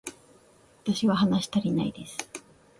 私は話したりないです